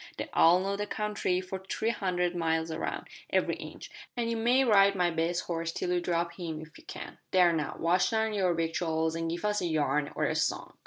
They all know the country for three hundred miles around every inch an' you may ride my best horse till you drop him if ye can. There, now, wash down your victuals an' give us a yarn, or a song."